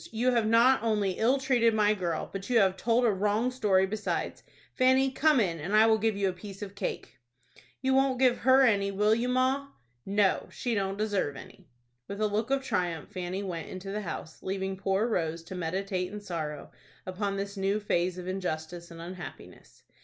You have not only ill treated my girl, but you have told a wrong story besides. Fanny, come in, and I will give you a piece of cake." "You won't give her any, will you, ma?" "No, she don't deserve any." With a look of triumph Fanny went into the house, leaving poor Rose to meditate in sorrow upon this new phase of injustice and unhappiness.